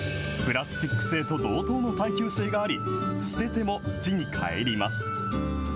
プラスチック製と同等の耐久性があり、捨てても土にかえります。